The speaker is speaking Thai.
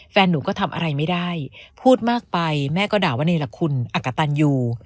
แฟนหนูก็ทำอะไรไม่ได้พูดมากไปแม่ก็ด่าว่าเนรคุณอักกะตันอยู่